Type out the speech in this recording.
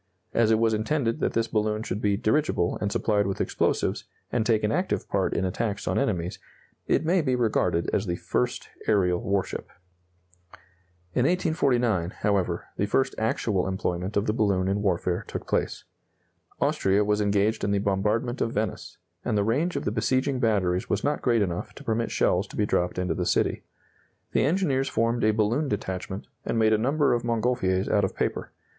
As it was intended that this balloon should be dirigible and supplied with explosives, and take an active part in attacks on enemies, it may be regarded as the first aerial warship. [Illustration: A military dirigible making a tour of observation.] In 1849, however, the first actual employment of the balloon in warfare took place. Austria was engaged in the bombardment of Venice, and the range of the besieging batteries was not great enough to permit shells to be dropped into the city. The engineers formed a balloon detachment, and made a number of Montgolfiers out of paper.